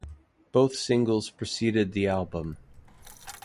Both singles preceded the album.